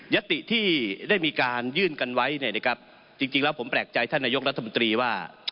ติที่ได้มีการยื่นกันไว้เนี่ยนะครับจริงแล้วผมแปลกใจท่านนายกรัฐมนตรีว่า